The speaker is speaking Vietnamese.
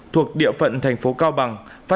thuộc địa phận thành phố cao bằng